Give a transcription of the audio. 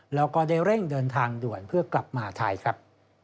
แล้วก็ได้เร่งเดินทางด่วนเพื่อกลับมาหาไทยครับ